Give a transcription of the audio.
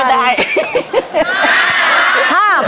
อ้าดไปได้